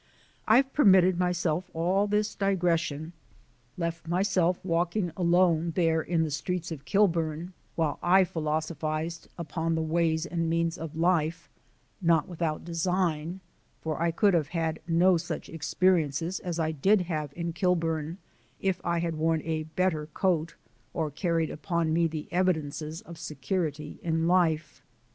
I've permitted myself all this digression left myself walking alone there in the streets of Kilburn while I philosophized upon the ways and means of life not without design, for I could have had no such experiences as I did have in Kilburn if I had worn a better coat or carried upon me the evidences of security in life.